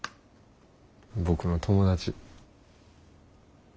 僕の友達。